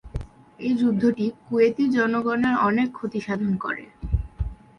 এই যুদ্ধটি কুয়েতি জনগনের অনেক ক্ষতিসাধন করে।